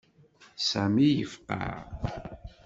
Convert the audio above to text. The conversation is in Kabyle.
Sami yefqeɛ.